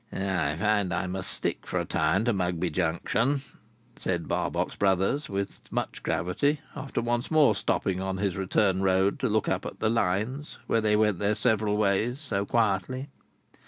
"I find I must stick for a time to Mugby Junction," said Barbox Brothers, with much gravity, after once more stopping on his return road to look at the Lines where they went their several ways so quietly.